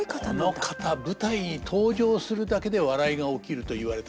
この方舞台に登場するだけで笑いが起きると言われた。